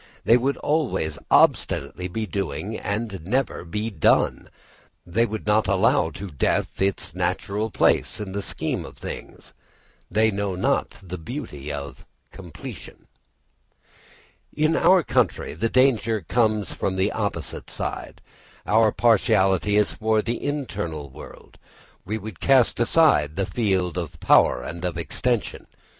They would always obstinately be doing and never be done they would not allow to death its natural place in the scheme of things they know not the beauty of completion. In our country the danger comes from the opposite side. Our partiality is for the internal world. We would cast aside with contumely the field of power and of extension.